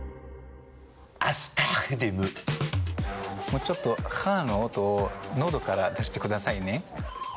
もうちょっと「ハァ」の音をのどから出してくださいね。